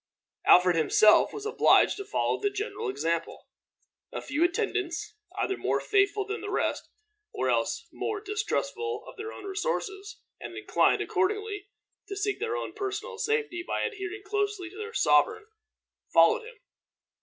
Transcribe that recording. Alfred himself was obliged to follow the general example. A few attendants, either more faithful than the rest, or else more distrustful of their own resources, and inclined, accordingly, to seek their own personal safety by adhering closely to their sovereign, followed him.